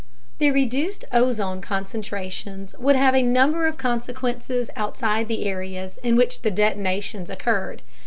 The reduced ozone concentrations would have a number of consequences outside the areas in which the detonations occurred.